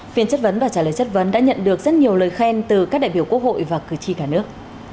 phiên chất vấn và trả lời chất vấn đã nhận được rất nhiều lời khen từ các đại biểu quốc hội và cử tri cả nước